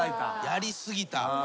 やり過ぎた。